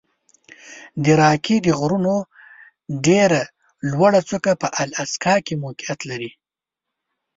د راکي د غرونو ډېره لوړه څوکه په الاسکا کې موقعیت لري.